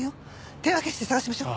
手分けして探しましょう！